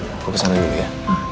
gue kesana dulu ya